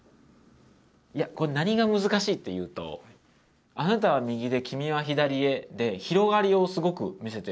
いやこれ何が難しいっていうと「あなたはみぎできみはひだりへ」で広がりをすごく見せてるわけですよね。